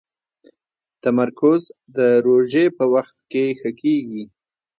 تمرکز د روژې په وخت کې ښه کېږي.